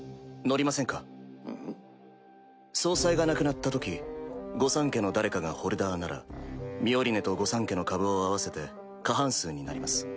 総裁が亡くなったとき御三家の誰かがホルダーならミオリネと御三家の株を合わせて過半数になります。